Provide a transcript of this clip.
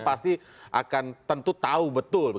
pasti akan tentu tahu betul